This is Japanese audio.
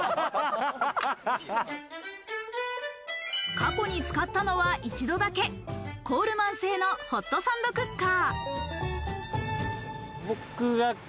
過去に使ったのは一度だけ、コールマン製のホットサンドクッカー。